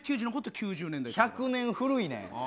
１００年古いな。